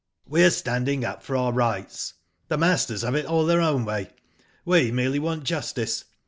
We are standing up for our rights. The masters have it all their own way. We merely want justice.